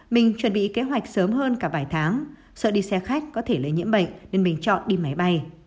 mình chuẩn bị kế hoạch sớm hơn cả vài tháng sợ đi xe khách có thể lấy nhiễm bệnh nên mình chọn đi máy bay